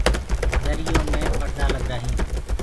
دريو مي پڙدآ لگرآ هينٚ۔